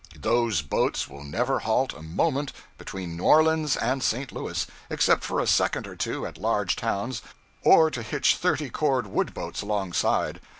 Those boats will never halt a moment between New Orleans and St. Louis, except for a second or two at large towns, or to hitch thirty cord wood boats alongside.